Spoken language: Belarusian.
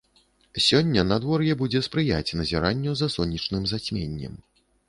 Сёння надвор'е будзе спрыяць назіранню за сонечным зацьменнем.